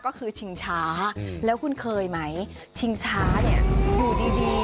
ก็คือชิงช้าแล้วคุณเคยไหมชิงช้าเนี่ยอยู่ดีดี